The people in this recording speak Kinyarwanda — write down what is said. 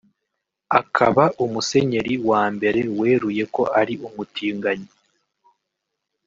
akaba umusenyeri wa mbere weruye ko ari umutinganyi